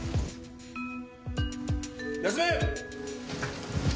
休め！